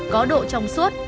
có độ trong suốt